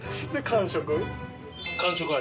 完食？